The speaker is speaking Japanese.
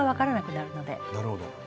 なるほど。